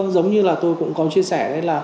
giống như là tôi cũng có chia sẻ